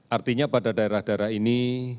artinya pada daerah daerah ini